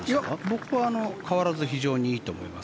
僕は変わらず非常にいいと思います。